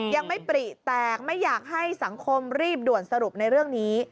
ยังไม่ปริแตกไม่อยากให้สังคมรีบด่วนสรุปในเรื่องนี้